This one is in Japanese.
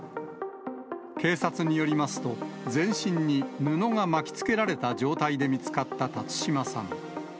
警察によりますと、全身に布が巻きつけられた状態で見つかった辰島さん。